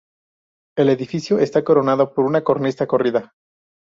El edificio está coronado por una cornisa corrida.